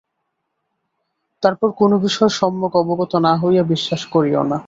তারপর কোন বিষয় সম্যক অবগত না হইয়া বিশ্বাস করিও না।